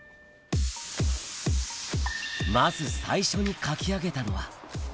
まず最初に描き上げたのは。